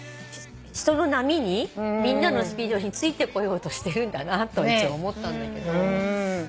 人の波にみんなのスピードについてこようとしてるんだなと一応思ったんだけど。